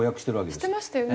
してましたよね。